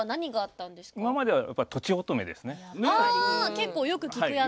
結構よく聞くやつ。